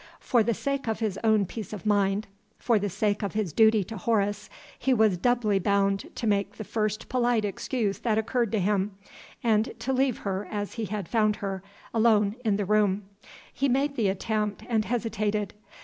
For the sake of his own peace of mind, for the sake of his duty to Horace, he was doubly bound to make the first polite excuse that occurred to him, and to leave her as he had found her, alone in the room. He made the attempt, and hesitated.